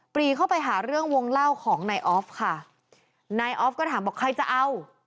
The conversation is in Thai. รีเข้าไปหาเรื่องวงเล่าของนายออฟค่ะนายออฟก็ถามบอกใครจะเอา